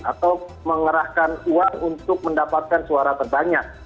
atau mengerahkan uang untuk mendapatkan suara terbanyak